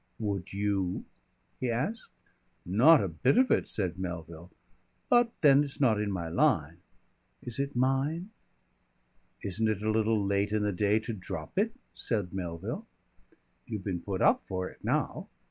"Would you?" he asked. "Not a bit of it," said Melville. "But then it's not my line." "Is it mine?" "Isn't it a little late in the day to drop it?" said Melville. "You've been put up for it now.